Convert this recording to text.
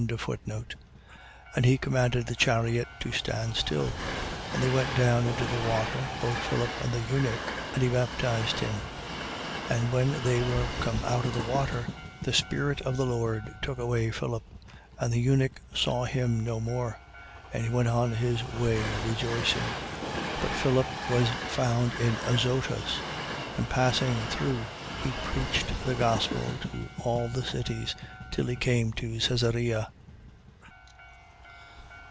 And he commanded the chariot to stand still. And they went down into the water, both Philip and the eunuch. And he baptized him. 8:39. And when they were come up out of the water, the Spirit of the Lord took away Philip: and the eunuch saw him no more. And he went on his way rejoicing. 8:40. But Philip was found in Azotus: and passing through, he preached the gospel to all the cities, till he came to Caesarea.